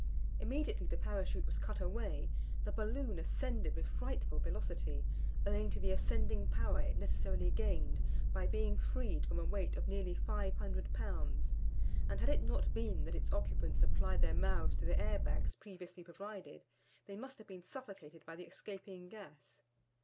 Immediately the Parachute was cut away, the balloon ascended with frightful velocity, owing to the ascending power it necessarily gained by being freed from a weight of nearly 500 pounds; and had it not been that its occupants applied their mouths to the air bags previously provided, they must have been suffocated by the escaping gas.